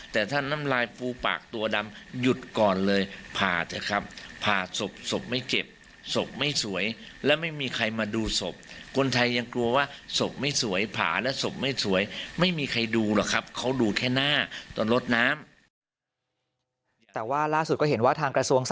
แต่ว่าร่าสุดก็เห็นว่าทางกระทรวงสาธารณสนุทร